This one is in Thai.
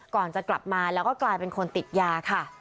ก่อนจะกลับมาแล้วก็กลายเป็นคนติดยาค่ะ